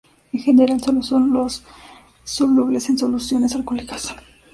En general solo son solubles en soluciones alcohólicas.